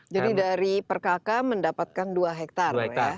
jadi dari per kakak mendapatkan dua hektar